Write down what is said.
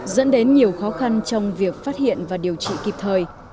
dẫn đến nhiều khó khăn trong việc phát hiện và điều trị kịp thời